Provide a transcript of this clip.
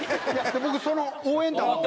僕その応援団も。